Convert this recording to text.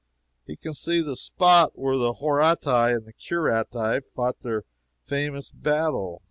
He can see the spot where the Horatii and the Curatii fought their famous battle.